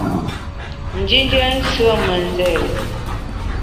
Ndindiem nsùen me nzéri i.